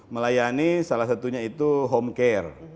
melayani salah satunya itu home care